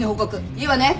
いいわね！